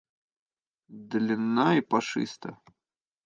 Длинна и пашиста.